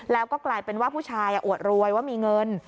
แล้วก็กลายเป็นว่าผู้ชายอวดรวยว่ามีเงิน